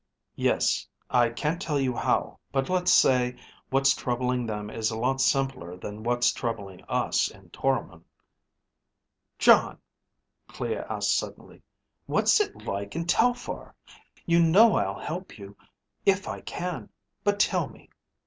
"Yes. I can't tell you how; but let's say what's troubling them is a lot simpler than what's troubling us in Toromon." "Jon," Clea asked suddenly, "what's it like in Telphar? You know I'll help you if I can, but tell me."